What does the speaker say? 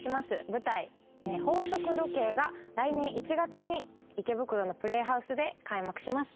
舞台『宝飾時計』が来年１月に池袋のプレイハウスで開幕します。